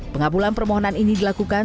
pengabulan permohonan ini dilakukan